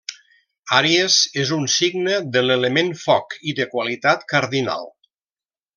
Àries és un signe de l'element foc i de qualitat cardinal.